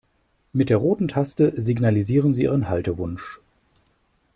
Mit der roten Taste signalisieren Sie Ihren Haltewunsch.